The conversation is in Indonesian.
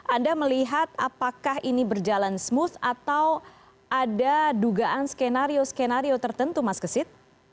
anda melihat apakah ini berjalan smooth atau ada dugaan skenario skenario tertentu mas kesit